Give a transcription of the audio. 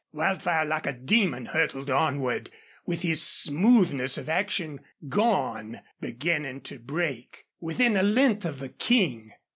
Wildfire, like a demon, hurtled onward, with his smoothness of action gone, beginning to break, within a length of the King.